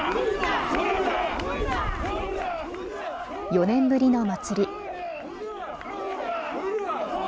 ４年ぶりの祭り。